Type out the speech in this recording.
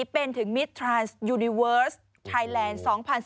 เป็นถึงมิสทรัลส์ยูนิเวิสค์ไทยแลนด์๒๐๑๘